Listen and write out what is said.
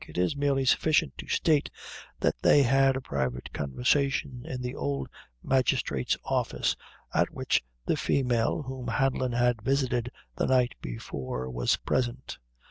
It is merely sufficient to state that they had a private conversation in the old magistrate's office, at which the female whom Hanlon had visited the night before was present.